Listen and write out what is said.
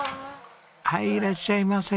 はいいらっしゃいませ。